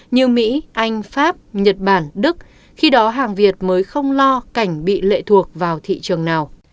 như mỹ anh pháp nhật bản đức khi đó hàng việt mới không lo cảnh bị lệ thuộc vào thị trường nào